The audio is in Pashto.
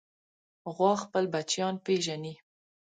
غوا خپل بچیان پېژني.